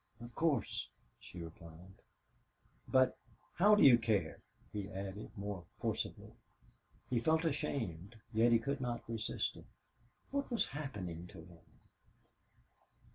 "Of course," she replied. "But how do you care?" he added, more forcibly. He felt ashamed, yet he could not resist it. What was happening to him?